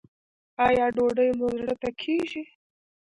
ایا ډوډۍ مو زړه ته کیږي؟